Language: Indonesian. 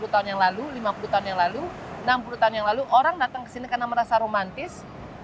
sepuluh tahun yang lalu lima puluh tahun yang lalu enam puluh tahun yang lalu orang datang ke sini karena merasa romantis